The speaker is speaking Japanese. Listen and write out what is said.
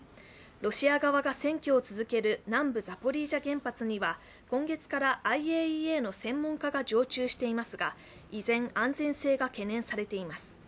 ロシア側が占拠を続ける南部ザポリージャ原発には今月からＩＡＥＡの専門家が常駐していますが依然、安全性が懸念されています。